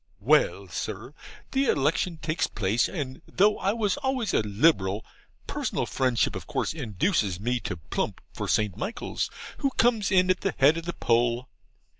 Well, Sir, the election takes place, and though I was always a Liberal, personal friendship of course induces me to plump for St. Michaels, who comes in at the head of the poll.